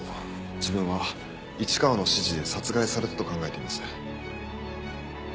自分は市川の指示で殺害されたと考えています。